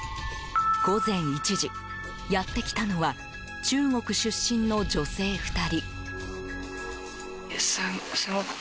午前１時、やってきたのは中国出身の女性２人。